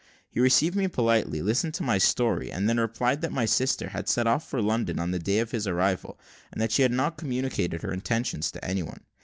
He received me politely, listened to my story, and then replied, that my sister had set off for London on the day of his arrival, and that she had not communicated her intentions to any one.